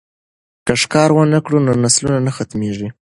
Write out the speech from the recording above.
که ښکار ونه کړو نو نسلونه نه ختمیږي.